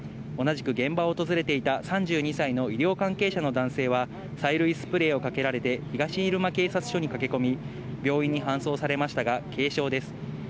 同じく現場を訪れていた３２歳の医療関係者の男性は催涙スプレーをかけられて東入間警察署に駆け込み、病院に搬送されましたが軽傷です。